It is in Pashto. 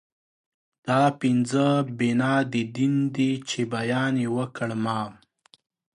دا پنځه بنا د دين دي چې بیان يې وکړ ما